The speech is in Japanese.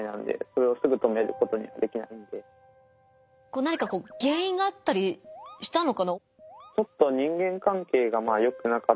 何か原因があったりしたのかな？